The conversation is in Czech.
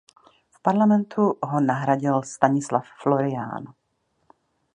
V parlamentu ho nahradil Stanislav Florián.